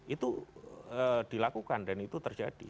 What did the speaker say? itu dilakukan dan itu terjadi